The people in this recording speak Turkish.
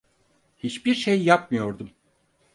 Hiçbir şey yapmıyordum.